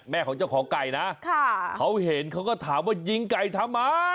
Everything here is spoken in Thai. ของเจ้าของไก่นะเขาเห็นเขาก็ถามว่ายิงไก่ทำไม